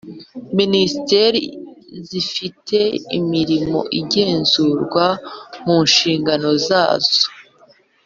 Minisiteri zifite imirimo igenzurwa mu nshingano zazo